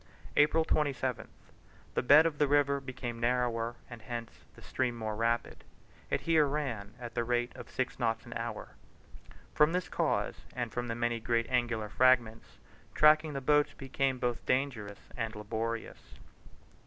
April 27th. The bed of the river became rather narrower and hence the stream more rapid. It here ran at the rate of six knots an hour. From this cause, and from the many great angular fragments, tracking the boats became both dangerous and laborious.